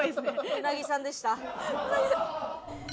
鰻さんでした。